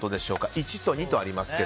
１と２とありますが。